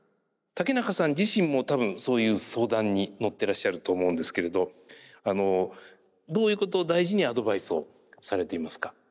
竹中さん自身も多分そういう相談に乗ってらっしゃると思うんですけれどどういうことを大事にアドバイスをされていますか？